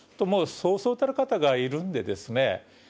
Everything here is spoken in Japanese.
そうそうたる方がいるんでですね